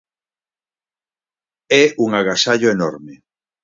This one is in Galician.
É un agasallo enorme.